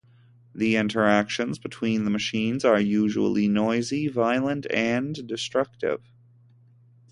The interactions between the machines are usually noisy, violent, and destructive.